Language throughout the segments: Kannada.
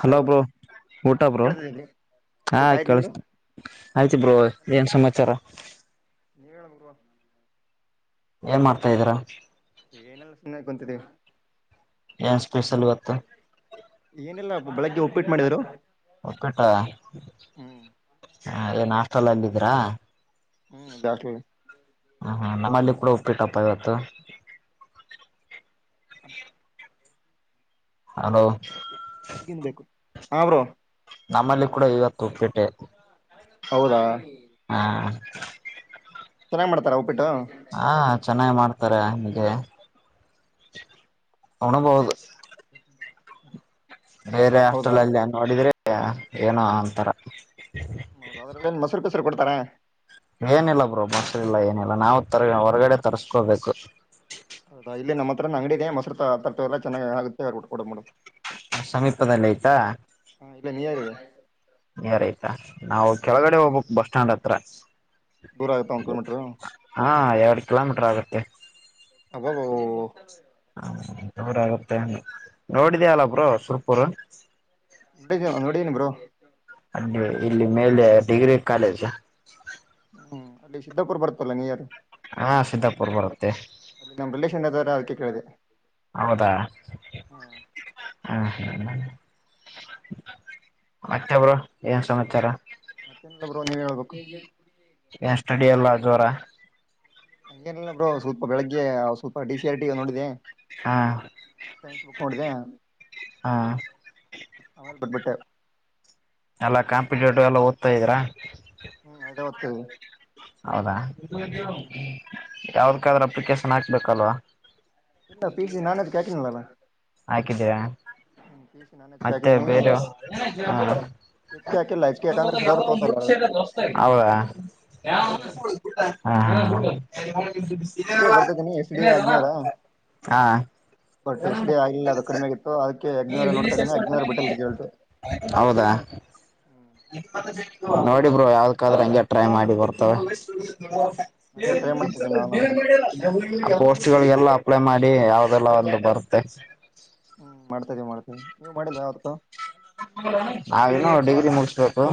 ಹಲೋ ಬ್ರೋ ಊಟ ಬ್ರೋ ಕೇಳ್ತದೀರಿ ಹಾ ಊಟ ಆಯ್ತು ನಿಮ್ದು ಕೇಳಿಸ್ತ ಆಯ್ತಿ ಬೋ ಏನ್ ಸಮಾಚಾರ ಹೇಳಬ್ರೋ ಏನ್ ಮಾಡ್ತಾ ಇದೀರಾ ಏನಿಲ್ಲ್ ಸುಮ್ನೆ ಕುಂತಿದ್ದೀವಿ ಎನ್ ಸ್ಪೆಷಲ್ ಇವತ್ತ ಏನಿಲ್ಲ ಬೆಳಗ್ಗೆ ಉಪ್ಪಿಟ್ಟ ಮಾಡಿದ್ರು ಒಕ್ಕಟ ಹ ಹ್ಮ್ ಏನ್ ಹಾಸ್ಟಲ್ಲಲ್ಲಿದಿರಾ... ಹ್ಮ್ ದಾಖಲ. ಹ ಹಾ ನಮ್ಮಲ್ಲಿ ಕೂಡ ಒಪ್ಪಿಟ್ಟಪ್ಪ ಇವತ್ತು... [inaudible] ಹಲೋ... ಈಗನ್ ಬೇಕು ಹ್ಮ ಬ್ರೋ ನಮ್ಮಲ್ಲಿ ಕೂಡ ಈವತ್ತು ಉಪ್ಪಿಟ್ಟೆ... ಹೌದಾ! ಹಾ ಚೆನ್ನಾಗಿ್ ಮಾಡ್ತಾರ ಒಪ್ಪಿಟ್ಟು... ಹಾ ಚೆನ್ನಾಗಿ ಮಾಡ್ತಾರೆ. ನಿಮಗೆ ಉಣಬಹುದು. [inaudible] ಬೇರೆ ಹೌದಾ ಅಷ್ಟಲ್ಲಲ್ಲಿ ನೋಡಿದ್ರೆ ಏನೋ ಅಂತಾರ ಹೌದ ಅದ್ರಲ್ಲ ಮೊಸರು ಕಸರು ಕೊಡ್ತಾರೆ ಏನಿಲ್ಲ ಬ್ರೋ ಮಸರಿಲ್ಲ ಏನಿಲ್ಲ ನಾವು ತರ ಹೊರಗಡೆ ತರ್ಸ್ಕೋಬೇಕು ಹೌದಾ ಇಲ್ಲಿ ನಮ್ಮ ಹತ್ರ ನ ಅಂಗಡಿ ಇದೇ ಮೊಸರು ತರತಿವ್ ಎಲ್ಲ ಚೆನ್ನಾಗಿ ಆಗುತ್ತೆ ಕೊಡ ಸಮೀಪದಲ್ಲಿ ಆಯ್ತಾ ಇಲ್ಲ ನಿಯರ್ ಇದೆ ಯಾರಾಯ್ತಾ ನಾವು ಹ್ಮ್ ಕೆಳಗಡೆ ಹೋಗ್ಬೇಕ ಬಸ್ ಸ್ಟ್ಯಾಂಡ್ ಹತ್ರ. ದೂರ ಆಗುತ್ತ ಒನ್ ಕಿಲೋಮೀಟರ್. ಎರಡು ಕಿಲೋಮೀಟರ್ ಆಗುತ್ತೆ. ಅಬಬ ಹ ಜೋರ ಆಗುತ್ತೆ ನೋಡಿದ್ಯಲ್ಲಬ್ರು ಸುರ್ಪುರು. ನೋಡಿ ಏನ ಬ್ರೋ ಅಲ್ಲಿ ಇಲ್ಲಿ ಮೇಲೆ ಡಿಗ್ರಿ ಕಾಲೇಜ್ ಹ್ಮ್ ಅಲ್ಲಿ ಸಿದಿದ್ದಕೂರ್ ಬರ್ತಲ್ಲ ನೀರ ಯಾರು. ಹಾ ಸಿದ್ದಾಪುರ್ ಬರುತ್ತೆ. ಚ್ರ ಅವದಕ್ಕೆ ಕೇಳಿದೆ.. ಹೌದಾ ಹಾ ಹ್ಮ ಮತ್ತೆ ಬ್ರೋ ಏನ್ ಸಮಾಚಾರಾ ಮತ್ತೇನಲ್ಲ ಬ್ರೋ ನೀವ್ ಹೇಳ್ಬೇಕು ಏ ಸಡಿ ಎಲ್ಲ ಜೋರಾ ಹಂಗೇನಲ್ಲ ಬ್ರೋ ಸ್ವಲ್ಪ ಬೆಳಗ್ಗೆ ಸ್ವಲ್ಪ ಡಿ ಸಿ ಆರ್ ಟಿ ನೋಡಿದೆ ಹಾ [unintelligible] ಹಾ ಆಮೇಲೆ ಎಲ್ಲಾ ಕಾಂಪಿಟೇಟಿವ್ ಎಲ್ಲ ಓದ್ತಾ ಇದ್ರಾ. [unintelligible] ಹೌದಾ ಹ್ಮ್ ಯಾವದಕ್ಕಾದ್ರ ಅಪ್ಲಿಕೇಶನ್ ಹಾಕ್ಬೇಕಲ್ವಾ ಇಲ್ಲ ಪಿ ಜಿ ನಾನದ [unintelligible] ಹಾಕಿದ್ದೀರಾ [inaudible] ಮತ್ತೆ ಹಾಕಿದೀನಿ ಬೇರ ಎಚ್ ಕೆ ಹಾಕಿಲ್ಲ ಎಚ್ ಕೆ ಯಾಕಂದ್ರೆ ಸರ್ ಅವರು ತೋತಲ್ಲ ಹ ಹಾ [inaudible] [inaudible] ಎಷ್ಟಡೇ ಬರ್ತತನಿ ಎಷ್ಟ ಡೇ ಆಗ್ನೋಡ ಹಾ ಹಾ ಬಟ್ಟ ಎಷ್ಟಡ ಆಗ ಇಲ್ಲ ಅದು ಕಡಿಮೆ ಆಗಿತ್ತುದು ಹೌದಾ? ನೋಡಿ ಬ್ರರು ಯಾವ್ದಕ್ಕಾದ್ರೆ ಹಂಗೆ ಟ್ರೈ ಮಾಡಿ ಬರ್ತವೆ. ಮತ್ತೆ ಟ್ರೈ ಮಾಡ್ತಾ ಇದೀವಿ ನಾವು ಅದನ್ನ [unintelligible] ಅಪ್ಲೈ ಮಾಡಿ ಯಾವದೆಲ್ಲ ಒಂದು ಬರುತ್ತೆ ಹ್ಮ್ ಮಾಡತ್ತಾನೆ ಮಾಡ್ತನರಿ ನೀವ್ ಮಾಡಿಲ್ಲ ಯಾವತ್ತ. ನಾವೇನು ಡಿಗ್ರಿ ಮುಡಸ್ಬೇಕು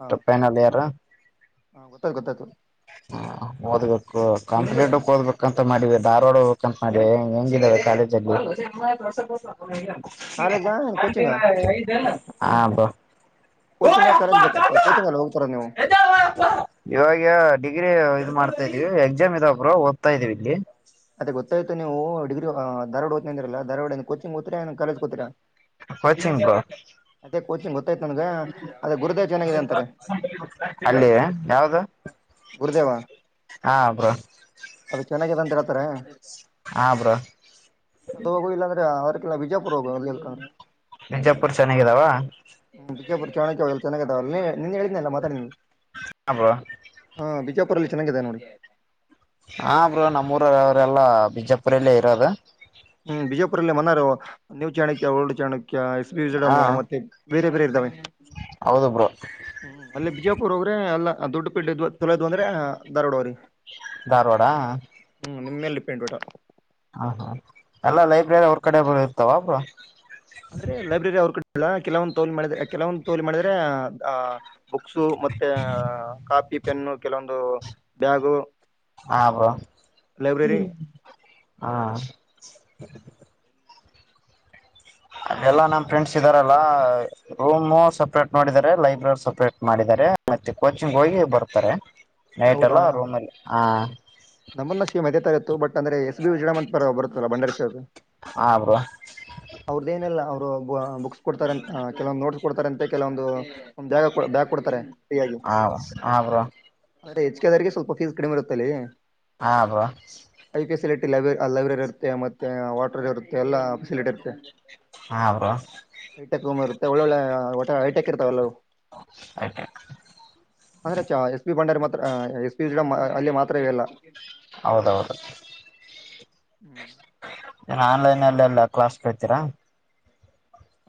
ಹಾ ಫೈನಲ್ ಇಯರ್ ಹಾ ಗೊತ್ತಾಯ್ತು ಗೊತ್ತಾಯ್ತು [inaudible] ಓದ್ಬೇಕು ಕಂಪ್ಲೀಟ್ ಓದಬೇಕಂತ ಮಾಡಿದೆ ಧಾರವಾಡ ಹೋಗ್ಬೇಕಂತ ಮಾಡಿದೆ ಹೆಂಗಿದಾವೆ ಕಾಲೇಜಲ್ಲಿ ಕಾಲೇಜಾ ಏನ್ ಕೋಚಿಂಗಾ [unintelligible] ಹಾ ಬ್ರೋ ಕೋಚಿಂಗ್ ಕಾಲೇಜ್ ಬೇಕಪ್ ಕೋಚಿಂಗ್ ಅಲ್ವಾ ಹೋಗ್ತಾರ ನೀವು ಡಿಗ್ರ ಇದ ಮಾಡ್ತಾ ಇದೀವಿ ಎಕ್ಸಾಮ್ ಇದ ಬ್ರು ಓದ್ತಾ ಇದೀವಿ ಇಲ್ಲಿ ಅದೇ ಗೊತ್ತಾಯ್ತು ನೀವು ಡಿಗ್ರಿ ಧಾರವಾಡ ಹೊತಿನದ್ರಲ್ಲ ದಾರವಾಡ ಕೋಚಿಂಗ್ ಹೋಗ್ತೀರಾ ಕಾಲೇಜ್ ಹೋಗ್ತೀರಾ ಕೋಚಿಂಗ್ ಅದೇ ಕೊಚಿಂಗ್ ನನಗೆ ಅದೇ ಗುರುದೇವ ಚೆನ್ನಾಗಿದೆ ಅಂತಾರೆ ಅಲ್ಲಿ ಯಾವ್ದು ಗುರುದೇವ ಹಾ ಬ್ರ ಅದು ಚೆನ್ನಾಗಿದೆ ಅಂತ ಹೇಳ್ತಾರೆ ಹಾ ಬ್ರೋ ಅದು ಹೋಗುಮದಲ್ಲ ಅಂದ್ರೆ ಅವ್ರ ಇಲ್ಲ ಬಿಜಾಪುರ ಬಿಜಾಪುರ್ ಚೆನ್ನಾಗಿದಾವ ಬಿಜಾಪು ಚಾಣಲ್ಲ ಚೆನ್ನ ನಿ ಹೇಳಿದನಲ್ಲ ಮಾ ಹಾ ಬ್ರೋ ಹ ಬಿಜಾಪು ಪೂರಲ್ಲಿ ಚೆನ್ನಾಗಿದೆ ನೋಡಿ ಹಾ ಬ್ರೋ ನಮ್ಮೂರ ಅವರೆಲ್ಲಾ ಬಿಜಾಪುರಲ್ಲೇ ಇರೋದು ಹ್ಮ್ ಬಿಜಯಪುರಲ್ಲೇ ಮನಾರ ನೀವು ಚಾಣಕ್ಯ ಓಲ್ಡ್ ಚಾಣಕ್ಯ ಎಸ್ ಹಾ ಬಿಡಮು ಮತ್ತೆ ಬೇರೆ ಬೇರೆ ಇದ್ದಾವೆ ಹೌದು ಬ್ರೋ ಹ್ಮ ಅಲ್ಲೇ ಬಿಜಾಪುರ ಹೋಗ್ರೆ ಅಲ್ಲ ದುಡ್ಡು ಪಿಟ್ಟ ತೊಳದು ಅಂದ್ರೆ ದಾರ್ವಾಡವರಿ ಧಾರವಾಡ ನಿಮ್ಮೆಲ್ಲಿಪೆಂಟ್ ಊಟ ಹಾ ಹಾ ಎಲ್ಲ ಲೈಬ್ರರಿ ಹೊರ್ ಕಡೆ ಬ ಇರ್ತಾವ ಒಬ್ ಅಂದ್ರೆ ಲೈಬ್ರರಿ ಅವ್ರ ಕಡೆ ಇಲ್ಲ ಕೆಲವೊಂದು ತೋಲಿ ಮಾಡಿದ್ರೆ ಕೆಲವೊಂದು ತೋಲಿ ಮಾಡಿದ್ರೆ ಬುಕ್ಸ ಮತ್ತೆ ಕಾ ಕಪಿ ಪೆನ್ನು ಕೆಲವೊಂದು ಬ್ಯಾಗು ಹಬ ಲೈಬ್ರರಿ ಹಾ ಅಲ್ಲಾ ನಮ್ಮ್ ಫ್ರೆಂಡ್ಸ್ ಇದ್ದಾರಲ್ಲಾ ರೂಮು ಸಪ್ರೇಟ್ ಮಾಡಿದ್ದಾರೆ ಲೈಬ್ರರಿ ಸಪ್ರೇಟ್ ಮಾಡಿದ್ದಾರೆ ಮತ್ತೆ ಕೋಚಿಂಗ್ ಹೋಗಿ ಬರ್ತಾರೆ ನೈಟ್ ಎಲ್ಲ ರೂಮ್ಲಹ ನಮ್ಮಂದಕ್ಷಿ ಮದತಾ ಇತ್ತು ಬಟ್ ಅಂದ್ರೆ ಎಸ್ ಬಿ ವಿಜ್ರಡಾಮಂನ್ ಪರ ಬರುತ್ತಲ್ಲ ಬಂಡಾರಿಸದು ಹಾ ಬ್ರೋ ಅವ್ರದೇನೆಲ್ಲ ಅವರು ಬುಕ್ಸ್ ಕೊಡ್ತಾರಂತ ಕೆಲವೊಂದು ನೋಟ್ಸ್ ಕೊಡ್ತಾರಂತೆ ಕೆಲವೊಂದು ಜಾಗ ಕೊಡ್ತಾರೆ ಹಾ ಹ ಬ್ರೋ ಅದೆ ಹೆಚ್ ಕೆದರಿಗೆ ಸ್ವಲ್ ಫೀಸ್ ಕಡಿಮೆ ಇರುತ್ತಲ್ಲಿ ಹಾ ಬ್ರ ಫೆಸಿಲಿಟಿ ಲೈ ಲೈಬ್ರರಿ ಇರುತ್ತೆ ಮತ್ತೆ ವಾಟರ್ ಇರುತ್ತೆ ಎಲ್ಲ ಫಸಿಲಿಟಿ ಇರುತ್ತೆ ಹಾ ಬ್ರೋ ಹೈಟೆಕ್ ರೂಮ್ ಇರುತ್ತೆ ಒಳ್ಳೊಳ್ಳೆ ಒ ಐಟೆಕ್ ಇರ್ತಾವ ಎಲ್ಲರು ಓಕೆ ಅಂದ್ರೆ ಚ ಎಸ್ ಬಿ ಬಂಡಾರ್ ಮತ್ತ ಎಸ್ ಪಿ ಜಡ ಅಲ್ಲಿ ಮಾತ್ರವೇ ಅಲ್ಲ ಹೌದೌದು ಹ್ಮ್ ಆನ್ಲನ್ಲ್ಎಲ್ಲ ಕ್ಲಾಸ್ ಕಳ್ತೀರಾ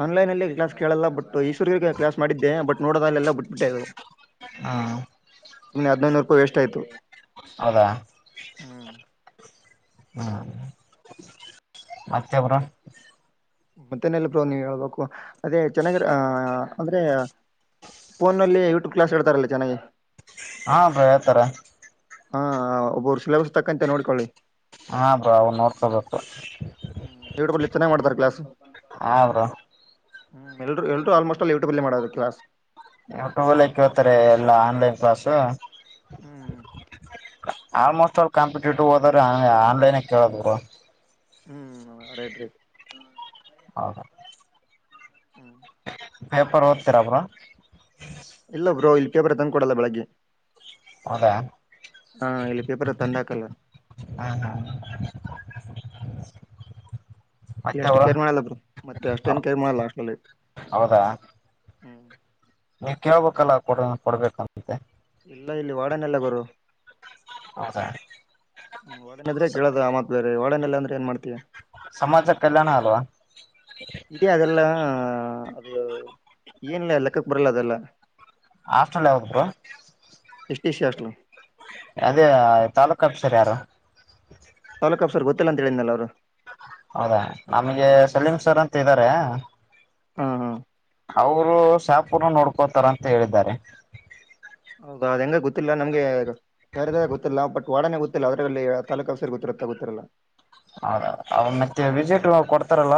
ಆನ್ಲನ್ಲ್ ಕ್ಲಾಸ್ ಕೇಳಲ್ಲ ಬಟ್ ಈಸ್ವರಿಗೆ ಕ್ಲಾಸ್ ಮಾಡಿದ್ದೆ ಬಟ್ ನೋಡೋದಲ್ಲೆಲ್ಲ ಬಿಟ್ಬಿಟ್ಟೆದು ಹಾ ಇನ್ನ ಹದಿನೈರು ರೂಪಾಯಿ ವೇಸ್ಟ್ ಆಯತು ಹೌದಾ ಹ್ಮ ಹ್ಮ ಮತ್ತೆಬರು ಮತ್ತೆನೆೆಲ್ಲ ಬೋ ನೀ ಹೇಳ್ಬೇಕು ಅದೇ ಚೆನ್ನಾಗಿರ ಅ ಅಂದ್ರೆ ಫೋನ್ಲ್ ಯೂಟ್ಯೂಬ್ ಕ್ಲಾಸ್ ಹೇಳ್ತಾರಲ್ಲ ಚೆನ್ನಾಗಿ ಹಾ ಬ ಹೇಳ್ತಾರೆ ಹಾ ಒಬ್ಬರು ಶಿಲಬಸ್ ತಕ್ಕಂತೆ ನೋಡ್ಕೊಳ್ಳಿ ಹಾ ಬ್ರಾ ನೋಡ್ಕೊಬೇಕು ಹ್ಮ್ ದ ಚೆನೇ ಮಾಡ್ತಾರೆ ಕ್ಲಾಸ್ ಹಾ ಬ್ರೋ ಹ್ಮ್ ಎಲ್ರು ಎಲ್ರು ಆಲ್ಮೋಸ್ಟ್ ಅಲ್ಲಿ ಯೂಟ್ಯಬ್ಲ್ ಮಾಡೋದು ಕ್ಲಸ್ ಯವುಟಲ್ಲ ಕೇಳ್ತಾರೆ ಎಲ್ಲಾ ಆನ್ಲನ್ ಕ್ಲಾಸು ಹ್ಮ್ ಆಲ್ಮೋಸ್ಟ್ ಆಲ್ ಕಾಂಪಿಟೇಟಿವ್ ಹೋದ್ರ ಆನ್ಲನ್ ಕೇಳದ್ರು ಹ್ಮ್ ರೇಡ್ ರೆಡ್ ಹೌದ ಹ್ಮ್ ಪೇಪರ್ ಓದ್ತೀರಾ ಬ್ರೋ ಇಲ್ಲ ಬ್ರೋ ಇಲ್ಲಿ ಪೇಪರ್ ತಂದುಕೊಡಲ್ಲ ಬೆಳಗ್ಗೆ ಹೌದಾ ಹಾ ಇಲ್ಲಿ ಪೇಪರೆ ತಂದಾಕಲ್ಲ ಹ ಹ ಎಷ್ಟು ಕೇರ್ ಮಾಡಲ್ಲ ಬ್ರೋ ಮತ್ತೆ ಅಷ್ಟೇನ್ ಕೇರ್ ಮಾಡಲ್ಲ ಹಾಸ್ಟೆಲ್ ಅಲ್ಲಿ ಹೌದಾ ಹ್ಮ್ ನೀವ್ ಕೇಳ್ಬೇಕಲ್ಲ ಕೊಡ ಕೊಡ್ಬೇಕಂತೆ ಇಲ್ಲ ಇಲ್ಲಿ ವಾರ್ಡನ್ ಇಲ್ಲ ಗರು ಹೌದ ಹ್ಮ್ ವಾರ್ಡನ್ ಇದ್ರೆ ಕೇಳೋದು ಆ ಮತ್ತ್ ಬೇರೆ ವಾರ್ಡನ್ ಇಲ್ಲ ಅಂದ್ರೆ ಏನ್ ಮಾಡ್ತೀಯ ಸಮಾಜ ಕಲ್ಯಾಣ ಅಲ್ವಾ ಇದೇ ಅದೇಲ್ಲ ಅದು ಏನ್ ಲೆಕ್ಕಕ್ ಬರಲ್ಲ ಅದೆಲ್ಲ ಹಾಸ್ಟೆಲ್ ಯಾವುದು ಬ್ರೋ ಎಸ್ ಡಿ ಸಿ ಹಾಸ್ಟೆಲ್ಲೂ ಅದೇ ತಾಲೂಕ್ ಆಫೀಸರ್ ಯಾರು ತಾಲ್ಲೂಕ್ ಆಫೀಸರಾ ಗೊತ್ತಿಲ್ಲ ಅಂತ ಹೇಳಿದನಲ್ಲ ಬ್ರೋ ಹೌದಾ ನಮಗೆ ಸಲೀಂ ಸರ್ ಅಂತ ಇದ್ದಾರೆ. ಹ್ಮ ಹ್ಮ್ ಅವರು ಶಾಪುನು ನೋಡ್ಕೋತಾರ ಅಂತ ಹೇಳಿದ್ದಾರೆ. ಹೌದಾ ಅದ್ ಹೆಂಗ ಗೊತ್ತಿಲ್ಲ ನಮ್ಗೆ ಯಾರಾರಿದ್ದಾರೆ ಗೊತ್ತಿಲ್ಲ ಬಟ್ ವರ್ಡಾನ್ ಗೊತ್ತಿಲ್ಲ ಅದರಲ್ಲಿ ತಾಲ್ಲೂಕ್ ಆಫೀಸರ್ ಗೊತ್ತಿರುತ್ತ ಗೊತ್ತೀಯ ಹೌದ ಅವನ್ ಮತ್ತೆ ವೀಸಿಟ್ ಕೊಡ್ತಾರಲ್ಲ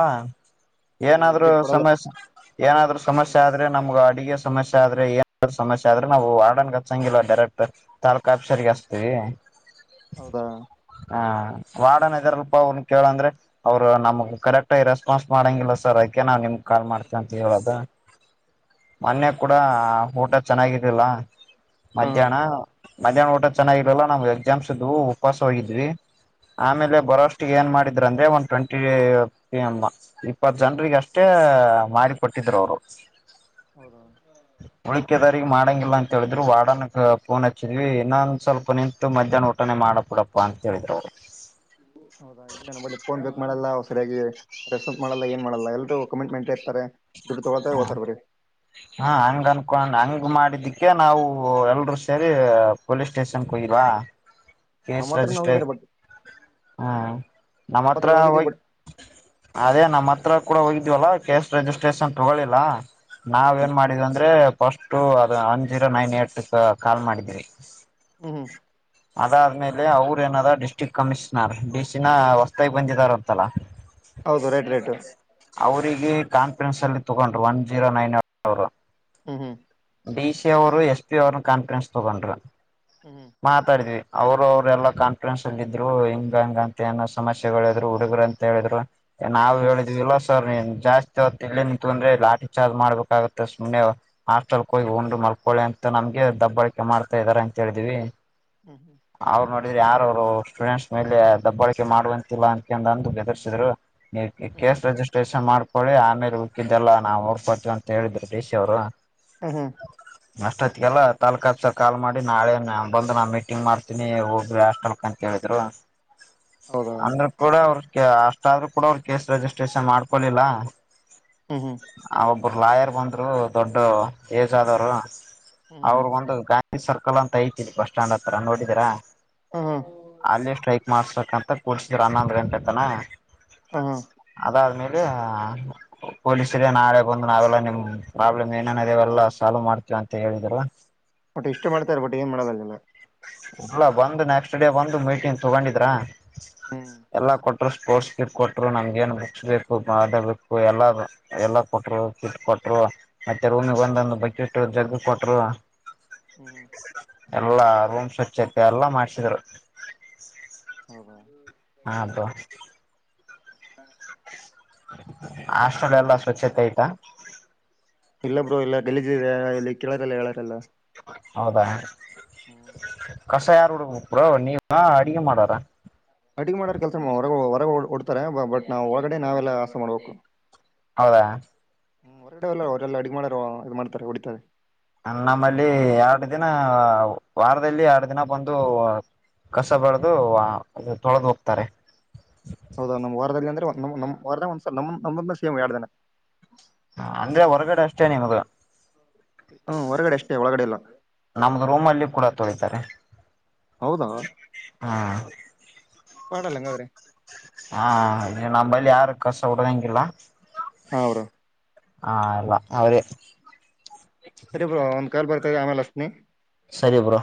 ಈ ಏನಾದ್ರು ವಿಸಿಟ್ ಕೊಡಲ್ಲ ಸಮಸ್ಯ ಏನಾದ್ರು ಸಮಸ್ಯೆ ಆದ್ರೆ ನಮ್ಗ ಅಡಿಗೆ ಸಮಸ್ಯೆ ಆದ್ರೆ ಏನ್ ಸಮಸ್ಯೆ ಆದ್ರೆ ನಾವು ವಾರ್ಡನ್ ಗೆ ಹಚ್ಚಂಗಿಲ್ಲ ಡೈರೆಕ್ಟ್ ತಾಲ್ಲೂಕು ಆಫೀಸರಗೆ ಹಚ್ಚತ್ತೀವಿ ಹೌದಾ ಹ ವಾರ್ಡನ್ ಇದ್ರಲ್ಪ ಅವ್ನು ಕೇಳಂದ್ರೆ ಅವ್ರು ನಮಗ್ ಕರೆಕ್ಟ್ ರೇಸ್ ರೆಸ್ಪಾನ್ಸ್ ಮಾಡಂಗಿಲ್ಲ ಸರ್ ಅದುಕೆ ನಾನ್ ನಿಮ್ಗೆ ಕಾಲ್ ಮಾಡ್ತೇ ಅಂತ ಹೇಳೋದ ಮೊನ್ನೆ ಕೂಡ ಊಟ ಚೆನ್ನಾಗಿರ್ಲಿಲ್ಲ ಹಾ ಹಾ ಮಧ್ಯಾಹ್ನ ಮಧ್ಯಾಹ್ನ ಊಟ ಚೆನ್ನಾಗಿರಲ್ಲ ನಮಗೆ ಎಕ್ಸಾಮ್ ಇದ್ದವು ಉಪವಾಸ ಹೋಗಿದ್ವಿ ಆಮೇಲೆ ಬರೋಷ್ಟ್ ಏನ್ ಮಾಡಿದ್ರೆ ಅಂದ್ರೆ ಒನ್ ಟ್ವೆಂಟಿ ಇಪ್ಪತ್ತು ಜನರಿಗೆ ಅಷ್ಟೇ ಮಾಡಿಕೊಟ್ಟಿದರು [unintelligible] ಹೌದಾ ಮಾಡಂಗಿಲ್ಲ ಅಂತ ಹೇಳಿದ್ರು ವಾರ್ಡನ್ ಗೆ ಹಚ್ಚಿದ್ವಿ ಇನ್ನೊಂದ್ ಸ್ವಲ್ಪ ನಿಂತು ಮಧ್ಯಾಹ್ನ ಊಟನೆೆ ಮಾಡಿ ಕೊಡಪ್ಪ ಪ್ಪಾ ಅಂತ ಹೇಳಿದ್ರೂ ಅವರು ಹೌದಾ ಇಲ್ಲ ಪೋನ್ ಮಾಡಲ್ಲ ಸರಿಯಾಗಿ ರೆಸ್ಟ್ ಮಾಡಲ್ಲ ಏನ್ ಮಾಡಲ್ಲ ಎಲ್ರೂ ಕಮಿಟ್ಮೆಂಟ್ ಇರ್ತಾರೆ. ದುಡ್ಡು ತೊಗೊಳ್ತಾರೆ ಹಾ ಹೋಗ್ತಾರೆ ಬರೀ ಹಾ ಅಂಗನ್ ಕೊಂಡ ಹಂಗ್ ಮಾಡಿದ್ದಿಕ್ಕೆ ನಾವು ಎಲ್ರು ಸೇರಿ ಪೊಲೀಸ್ ಸ್ಟೇಷನ್ಕ್ ಹೋಗಿದ್ವಾ ನಮ್ಮ ಹತ್ತರನೂ ಹೋಗಿದ್ದಾರೆ ಬಟ್ ಹ್ಮ ನಮ್ಮ ನಮ್ಮತ್ರ ಹತ್ರ ಹೋಗಿದ್ದೀವಿ ಹೋಗಿ ಬಟ್ ಅದೇ ನಮ್ಮ ಹತ್ರ ಕೂಡ ಹೋಗಿದ್ವಲ್ಲ ಕೇಸ್ ರಿಜಿಸ್ಟ್ರೇಷನ್ ತಗೊಳಿಲ್ಲ ನಾವ್ ಹ್ಮ್ ಏನ್ ಮಾಡಿದ್ ಅಂದ್ರೆ ಫಸ್ಟು ಅದು one zero nine eight call ಮಾಡಿದೀರಿ ಹ್ಮ್ ಹ್ಮ ಅದಾದ್ಮೇಲೆ ಅವ್ರ ಎನಾರ ಡಿಸ್ಟ್ರಿಕ್ ಕಮಿಷ್ನರ್ ಡಿಸಿನ ಹೊಸ್ತಾಗಿ ಬಂದಿದಾರ ಅಂತಲ್ಲ. ಹೌದು ರೈಟ್ ರೈಟ್ ಅವರಿಗೆ ಕಾನ್ಫರೆನ್ಸ್ ಅಲ್ಲಿ ತಗೊಂಡ್ರು ಒನ್ ಜೀರೋ ನೈನ್ ಏಟ್ ಅವರ್ ಹ್ಮ್ ಹ್ಮ್ ಡಿ ಸಿ ಅವರು ಎಸ್ ಪಿ ಅವರು ಕಾನ್ಫರೆನ್ಸ್ ತಗೊಂಡ್ರು ಹ್ಮ್ ಮಾತಾಡಿದ್ವಿ ಅವರು ಅವ್ರ ಎಲ್ಲಾ ಕಾನ್ಫಿಡೆನ್ಸ್ ಅಲ್ಲಿ ಇದ್ರು ಹಿಂಗ ಹಂಗ ಅಂತ ಏನೋ ಸಮಸ್ಯೆಗಳಾದ್ರು ಹಡುಗರು ಅಂತ ಹೇಳಿದ್ ನಾವು ಹ್ಮ್ ಹೇಳಿದಲ್ ಜಾಸ್ತಿ ಎಲ್ಲಿ ನಿಂತು ಅಂದ್ರೆ ಲಾಟಿ ಚಾರ್ಜ್ ಮಾಡ್ಬೇಕಾಗುತ್ತೆ ಸುಮ್ಮನೆೆ ಹಾಸ್ಟೆಲ್ ಹೋಗಿ ಉು ಮಲ್ಕೊಳ್ಳಿ ಅಂತ ನಮ್ಗೆ ದಬ್ಬಾಳಕೆ ಮಾಡ್ತಾ ಇದ್ದಾರೆ ಅಂತ ಹೇಳಿದಿವವಿ ಹ್ಮ್ ಹ್ಮ್ ಅವ್ರು ನೋಡಿದ್ರೆ ಯಾರವ್ರು ಸ್ಟೂಡೆಂಟ್ಸ್ ಮೇಲೆ ದಬ್ಬಾಳಕೆ ಮಾಡುವಂತಿಲ್ಲಾ ಅಂತಕ ಅಂದು ಬೆದರಿಸಿದ್ರು ಹ್ಮ್ ಕ ಪ್ರೇಶ ಮಾಡ್ಕೊಳ್ಳಿ ಆಮೇಲೆ ಹಕ್ಕಿದ್ದೆಲ್ಲ ನಾವವು ಓಡ್ಕೊಡ್ತೀವಿ ಅಂತ ಹೇಳಿದ್ರು ರೇಶ ಅವ್ರು ಹ್ಮ ಹ್ಮ್ ನಷ್ಟ ಆಯತ್ಗೆಲ್ಲಾ ತಾಕ್ ಹಸ ಕಾಲ್ ಮಾಡಿ ನಾಳೆ ಬಂದು ನಾ ಮೀಟಿಂಗ್ ಮಾಡ್ತಿನಿ ಹೋಗ್ರಿ ಹಾಸ್ಟೆಲ್ ಕ ್ರಾ ಹೌದಾ ಅಂದ್ರ ಕೂಡ ಅವ್ರ ಅಷ್ಟಾದ್ರರು ಕೂಡ ಅವರು ಕೇಸ್ ರಿಜಿಸ್ಟ್ರೇಷನ್ ಮಾಡ್ಕೊಳಿಲ್ಲ ಹ್ಮ ಹ್ಮ ಅವರು ಲಾಯರ್ ಬಂದರು ದೊಡ್ಡ ಏಜ್ ಆದವರು ಹ್ಮ್ ಹ್ಮ್ ಅವ್ರರು ಒಂದು ಗಾಂಧಿ ಸರ್ಕಲ್ ಅಂತ ಐತಿ ಬಸ್ ಸ್ಟ್ಯಾಂಡ್ ಹತ್ರ ನೋಡಿದೀರಾ ಹ ಹ ಅಲ್ಲಿ ಸ್ಟ್ರೈಕ್ ಮಾಡ್ಸಬೇಕಂತ ಕೂಡ್ಸಿದರು ಅನ್ನಂದ್ರ ಎಟತನ ಹ್ಮ್ ಹ್ಮ್ ಅದಾದ್ಮೇಲೆ ಅದ ಪೊಲೀಸರ ನಾಳೆ ಬಂದ್ ನಾವೆಲ್ಲ ನಿಮ್ ಪ್ರಾಬ್ಲಮ್ ಏನೇನ ಅವೆಲ್ಲಾ ಸಾಲ್ವ್ ಮಾಡ್ತೀವ ಅಂತ ಹೇಳಿದ್ರ ಬಟ್ ಇಷ್ಟ ಮಾಡ್ತಾರೆ ಬಟ್ಟಟ್ ಏನ್ ಮಾಡೋದಲ್ಲ ಉಲ್ಲಾ ಬಂದು ನೆಕ್ಸ್ಟ್ ಡೇ ಬಂದು ಮೀಟಿಂಗ್ ತಗೊಂಡಿದ್ರಾ ಹ್ಮ್ ಎಲ್ಲ ಕೊಟ್ಟರು ಸ್ಪೋರ್ಟ್ಸ್ಕ್ ಕೊಟ್ಟರು ನಮಗೆ ಏನ್ ಬುಕ್ಸ್ ಬೇಕು ಬೇಕು ಎಲ್ಲ ಎಲ್ಲ ಕೊ ಕೊಟ್ ಕೊಟ್ರು ಮತ್ತೆ ರೂಮಗ್ ಒಂದೊಂದು ಬಕೆಟ್ಟ ಜಗ್್ದ ಕೊಟ್ರು ಹ್ಮ್ ಎಲ್ಲಾ ರೂಮ್ ಸ್ವಚ್ಛತೆ ಎಲ್ಲಾ ಮಾಡ್ಸಿದ್ರು ಹೌದಾ ಹಾ ಅಬ ಹಾಸ್ಟೆಲ್ ಎಲ್ಲಾ ಸ್ವಚ್ಛತೆ ಐತಾ ಇಲ್ಲ ಬ್ರೋ ಇಲ್ಲ ಗೆಲಜಿದೆ ಇಲ್ಲಿ ಕೆೇಳಲ್ಲ ಹೇಳಾರೆಲ್ಲ ಹೌದಾ ಹ್ಮ್ ಕಸ ಯಾರು ಹುಡುಬೇಕ ಕೂಡ ನೀವನ ಅಡಗೆ ಮಾಡಾರ ಡ್ತಾರೆ ಬಟ್ ನಾ ಒಳಗಡೆ ನಾವೆಲ್ಲ ಆಸ ಮಾಡ್ಬೇಕು ಹೌದಾ ಹ್ಮ ಹೊರಟಲ್ಲರೆಲ್ಲ ಅಡುಗ್ ಮಾಡಾರ ಇದು ಮಾಡ್ತಾರೆ ಹೊಡಿತಾರೆ ನಮ್ಮಲ್ಲಿ ಎರಡು ದಿನ ವಾರದಲ್ಲಿ ಎರಡು ದಿನ ಬಂದು ಕಸ ಬಡ್ದ ಅದು ತೊಳೆದು ಹೋಗ್ತಾರೆ ಹೌದೌ ನಮ್ಮ್ ವಾರದಲ್ಲಿ ಅಂದ್ರೆ್ ನಮ್ಮ ವಾರದ ಒಂದ್ಸ ನ್ ನಮ್ಮ ಸಿಎಂ ಎರಡು ದಿನ ಹ ಅಂದ್ರೆ ಹೊರಗಡೆ ಅಷ್ಟೇ ನಿಮ್ಗ ಹ್ಮ್ ಹೊರಗಡೆ ಅಷ್ಟೇ ಒಳಗಡೆ ಇಲ್ಲ ನಮ್ದು ರೂಮ್ ಅಲ್ಲಿ ಕೂಡ ತೊಳಿತಾರೆ ಹೌದಾ [inaudible] ಪಾಡಲ್ಲಂಗ ಅವರ ಹಾ ನಂಬಲ್ಲಿ ಯಾರು ಕಸ ಉಡದಂಗಿಲ್ಲ ಹೌರ ಹ ಅಲ್ಲ ಅವರು ಸರಿ ಬ್ರೋ ಒಂದ್ ಕಾಲ್ ಬರ್ತದೆ ಆಮೇಲೆ ಅಷ್ಟನಿ ಸರಿ ಬ್ರೋ